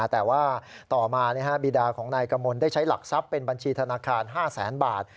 แต่ว่าต่อมาบีดาของนายกมลได้ใช้หลักทรัพย์เป็นบัญชีธนาคาร๕แสนบาท